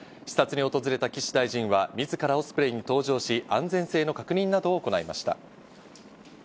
視察に訪れた岸大臣は、みずからオスプレイに搭乗し、安全性の確認などを行いました。